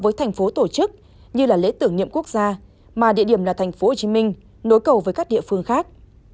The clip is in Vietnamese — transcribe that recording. với thành phố tổ chức như lễ tử nghiệm quốc gia mà địa điểm là tp hcm nối cầu với các địa phương khác